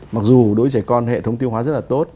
mặc dù đối với trẻ con hệ thống tiêu hóa rất là tốt